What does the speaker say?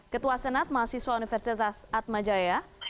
ketua senat mahasiswa universitas atmajaya